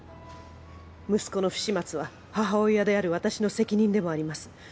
息子の不始末は母親である私の責任でもあります